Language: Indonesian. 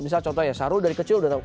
misal contohnya saru dari kecil udah tahu